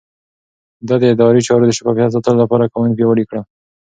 ده د ادارې چارو د شفافيت ساتلو لپاره قوانين پياوړي کړل.